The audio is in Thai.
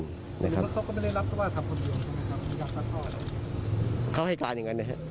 เขาก็ไม่ได้รับตัวทำคนเดียวอย่างกับท่ออะไร